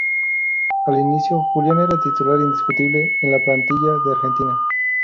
Al inicio, Julián era titular indiscutible en la plantilla de Argentina.